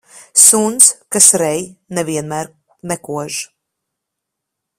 Suns, kas rej, ne vienmēr nekož.